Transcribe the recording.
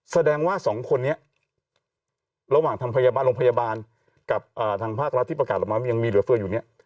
แสดงว่าสองคนนี้ระหว่างทางพยาบาลโรงพยาบาลกับทางภาครัฐที่ประกาศออกมายังมีเหลือเฟืออยู่เนี่ย